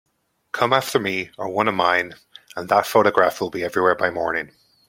Come after me or one of mine, and that photograph will be everywhere by morning.